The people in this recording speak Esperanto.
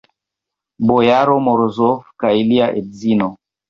Bojaro Morozov kaj lia edzino.